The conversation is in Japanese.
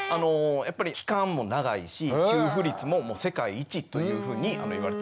やっぱり期間も長いし給付率も世界一というふうにいわれてます。